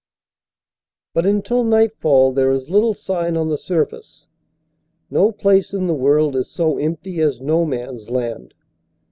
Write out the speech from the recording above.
But, until nightfall, there is little sign on the surface. No place in the world is so empty as No Man s Land.